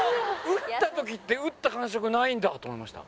打った時って打った感触ないんだと思いました。